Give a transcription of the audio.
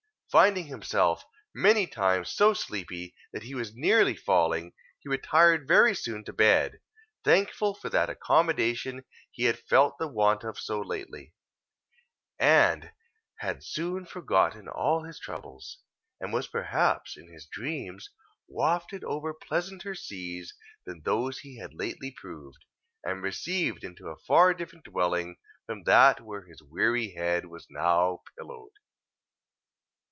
Finding himself many times so sleepy that he was nearly falling, he retired very soon to bed, thankful for that accommodation he had felt the want of so lately; and had soon forgotten all his troubles, and was perhaps, in his dreams, wafted over pleasanter seas than those he had lately proved, and received into a far different dwelling from that where his weary head was now pillowed.